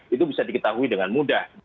itu bisa diketahui dengan mudah